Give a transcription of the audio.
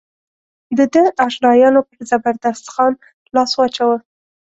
د ده اشنایانو پر زبردست خان لاس واچاوه.